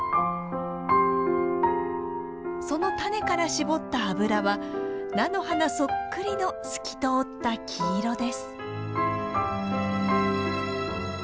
そのタネから搾った油は菜の花そっくりの透き通った黄色です。